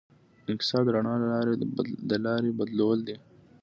انکسار د رڼا د لارې بدلول دي.